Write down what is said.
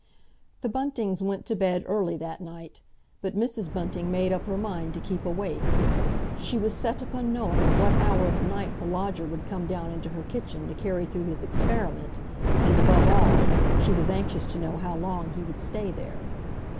The Buntings went to bed early that night. But Mrs. Bunting made up her mind to keep awake. She was set upon knowing at what hour of the night the lodger would come down into her kitchen to carry through his experiment, and, above all, she was anxious to know how long he would stay there.